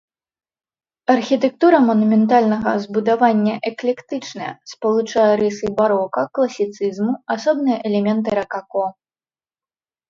Архітэктура манументальнага збудавання эклектычная, спалучае рысы барока, класіцызму, асобныя элементы ракако.